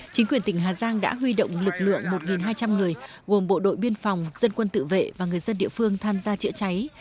chính quyền tỉnh hà giang đã huy động lực lượng một hai trăm linh người gồm bộ đội biên phòng dân quân tự vệ và người dân địa phương tham gia chữa cháy